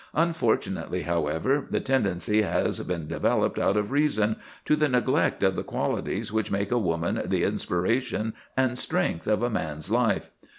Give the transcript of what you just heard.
Unfortunately, however, the tendency has been developed out of reason, to the neglect of the qualities which make a woman the inspiration and strength of a man's life.